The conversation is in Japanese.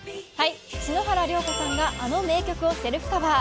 篠原涼子さんが、あの名曲をセルフカバー。